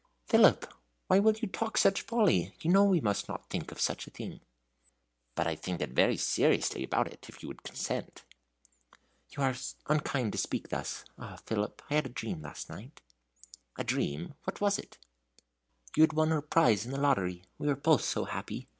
"Philip! why will you talk such folly? You know we must not think of such a thing." "But I think very seriously about it if you would consent." "You are unkind to speak thus. Ah, Philip, I had a dream last night." "A dream what was it?" "You had won a prize in the lottery; we were both so happy!